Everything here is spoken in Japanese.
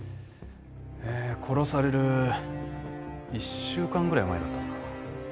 え殺される１週間ぐらい前だったかな？